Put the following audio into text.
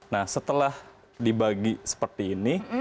nah setelah dibagi seperti ini